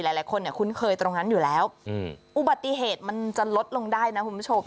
หลายคนเนี่ยคุ้นเคยตรงนั้นอยู่แล้วอุบัติเหตุมันจะลดลงได้นะคุณผู้ชม